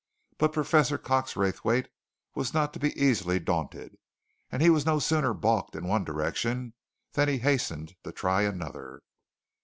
But Professor Cox Raythwaite was not to be easily daunted, and he was no sooner baulked in one direction than he hastened to try another.